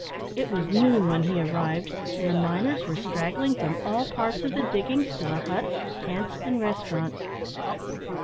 It was noon when he arrived, and the miners were straggling from all parts of the diggings to the huts, tents, and restaurants.